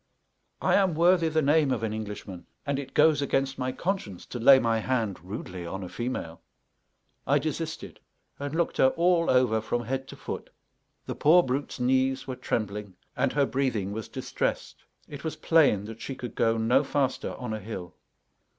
I am worthy the name of an Englishman, and it goes against my conscience to lay my hand rudely on a female. I desisted, and looked her all over from head to foot; the poor brute's knees were trembling and her breathing was distressed; it was plain that she could go no faster on a hill.